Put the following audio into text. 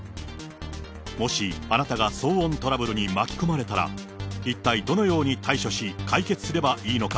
もし、あなたが騒音トラブルに巻き込まれたら、一体どのように対処し、解決すればいいのか。